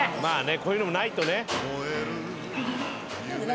こういうのもないとね。